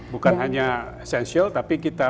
bukan hanya esensial tapi kita